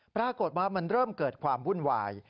ปรากฏว่ามันเริ่มเกิดความวุ่นวาย